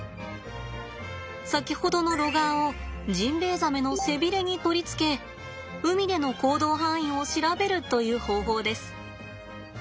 先ほどのロガーをジンベエザメの背びれに取り付け海での行動範囲を調べるという方法です。